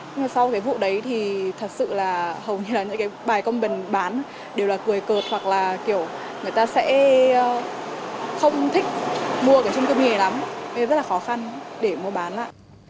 nhưng mà sau cái vụ đấy thì thật sự là hầu như là những cái bài công bình bán đều là cười cợt hoặc là kiểu người ta sẽ không thích mua cái chung cư mini này lắm